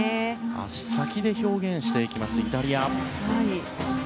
脚先で表現していくイタリア。